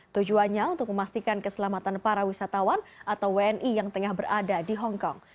tujuannya untuk memastikan keselamatan para wisatawan atau wni yang tengah berada di hongkong